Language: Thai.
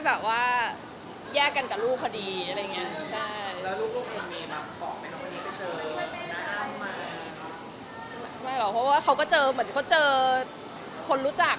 แบบว่าเหมือนกับช่างโดหลักตกไปเรียบร้อยแล้ว